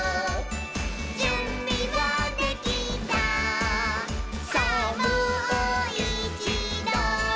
「じゅんびはできたさぁもういちど」